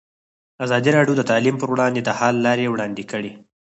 ازادي راډیو د تعلیم پر وړاندې د حل لارې وړاندې کړي.